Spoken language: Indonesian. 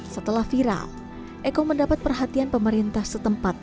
setelah viral eko mendapat perhatian pemerintah setempat